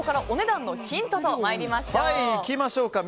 お値段のヒントと参りましょう。